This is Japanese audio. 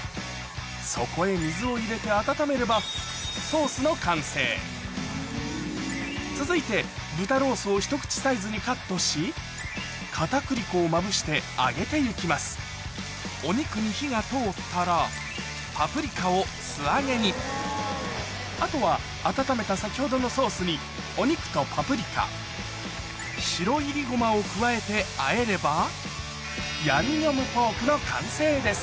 そこへ水を入れて温めれば続いて豚ロースをひと口サイズにカットしかたくり粉をまぶして揚げて行きますお肉に火が通ったらパプリカを素揚げにあとは温めた先ほどのソースにお肉とパプリカ白いりごまを加えてあえれば今回はたくさん教えます